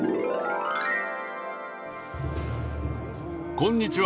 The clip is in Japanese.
こんにちは。